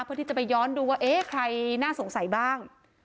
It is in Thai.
เพื่อที่จะไปย้อนดูว่าเอ๊ะใครน่าสงสัยบ้าง